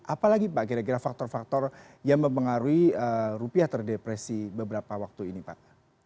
apalagi pak kira kira faktor faktor yang mempengaruhi rupiah terdepresi beberapa waktu ini pak